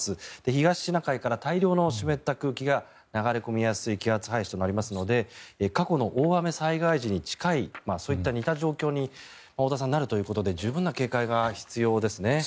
東シナ海から大量の湿った空気が流れ込みやすい気圧配置となりますので過去の大雨災害時に近いそういった似た状況に太田さん、なるということで十分な警戒が必要ですね。